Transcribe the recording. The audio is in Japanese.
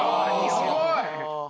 すごい！